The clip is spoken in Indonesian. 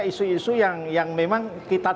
isu isu yang memang kita